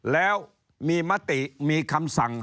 แล้วมีมติมีคำสั่ง